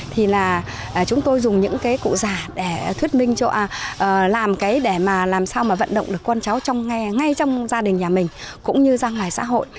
thì là chúng tôi dùng những cái cụ già để thuyết minh cho làm cái để mà làm sao mà vận động được con cháu trong nghe ngay trong gia đình nhà mình cũng như ra ngoài xã hội